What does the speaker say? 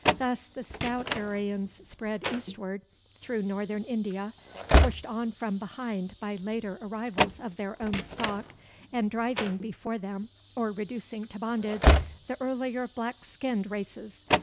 Thus the stout Aryans spread eastward through Northern India, pushed on from behind by later arrivals of their own stock, and driving before them, or reducing to bondage, the earlier "black skinned" races.